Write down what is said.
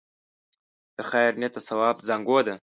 د خیر نیت د ثواب زانګو ده.